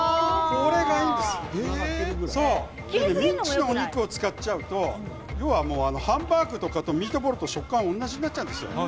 ミンチのお肉を使ってしまうとハンバーグやミートボールと食感が同じになってしまうんです。